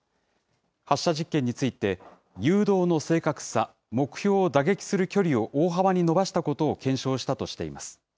発射実験について、誘導の正確さ、目標を打撃する距離を大幅に伸ばしたことを検証したとしています。